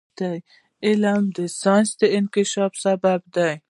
علم د ساینسي انکشاف سبب دی.